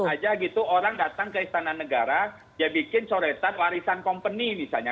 tiba tiba saja orang datang ke istana negara dia bikin coretan warisan kompeni misalnya